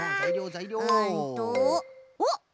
うんと。おっ！